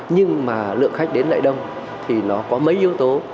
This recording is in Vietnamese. nhưng mà lượng khách đến lại đông thì nó có mấy yếu tố